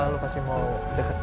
lo pasti mau deket